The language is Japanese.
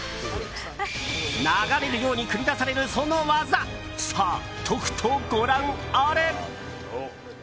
流れるように繰り出されるその技さあ、とくとご覧あれ！